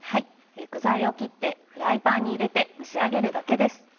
具材を切ってフライパンに入れて蒸し上げるだけです。